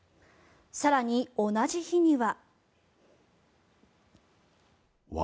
更に、同じ日には。